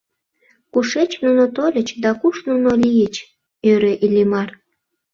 Кушеч нуно тольыч да куш нуно лийыч? — ӧрӧ Иллимар.